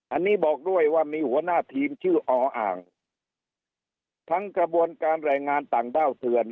อันนี้บอกด้วยว่ามีหัวหน้าทีมชื่อออ่างทั้งกระบวนการแรงงานต่างด้าวเถื่อน